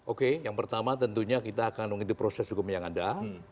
oke yang pertama tentunya kita akan mengikuti proses hukum yang ada